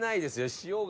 塩が。